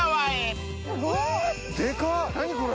何これ！